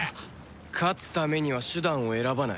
勝つためには手段を選ばない。